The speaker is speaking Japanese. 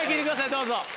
どうぞ。